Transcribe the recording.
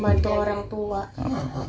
bantu orang tua